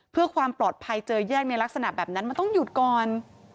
เพื่อความปลอดภัยเจอแยกในลักษณะแบบนั้นมันต้องหยุดก่อน